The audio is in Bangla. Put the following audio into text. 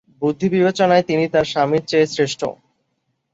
বুদ্ধিবিবেচনায় তিনি তাঁর স্বামীর চেয়ে শ্রেষ্ঠ।